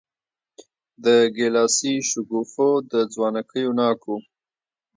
د ګیلاسي شګوفو د ځوانکیو ناکو